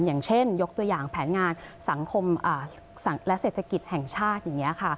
อย่างเช่นยกตัวอย่างแผนงานสังคมและเศรษฐกิจแห่งชาติอย่างนี้ค่ะ